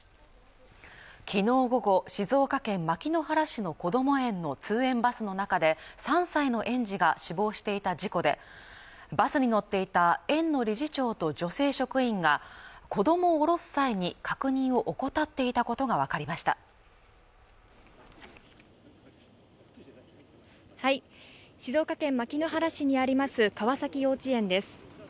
昨日午後静岡県牧之原市のこども園の通園バスの中で３歳の園児が死亡していた事故でバスに乗っていた園の理事長と女性職員が子供をおろす際に確認を怠っていたことが分かりました静岡県牧之原市にあります川崎幼稚園です